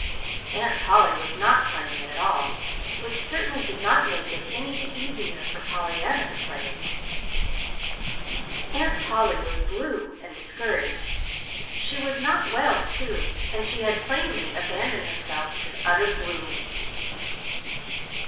Aunt Polly was not playing it at all which certainly did not make it any the easier for Pollyanna to play it. Aunt Polly was blue and discouraged. She was not well, too, and she had plainly abandoned herself to utter gloom.